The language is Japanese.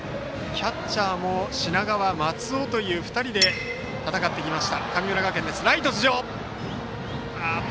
キャッチャーも品川、松尾の２人で戦ってきました、神村学園です。